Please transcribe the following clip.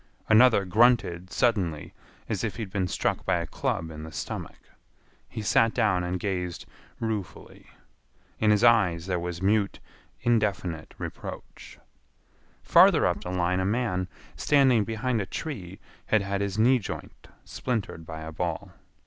Another grunted suddenly as if he had been struck by a club in the stomach. He sat down and gazed ruefully. In his eyes there was mute, indefinite reproach. Farther up the line a man, standing behind a tree, had had his knee joint splintered by a ball.